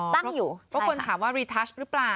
ตั้งอยู่เพราะคนถามว่ารีทัชหรือเปล่า